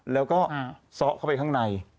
แล้วก็ซ้อเข้าไปข้างใน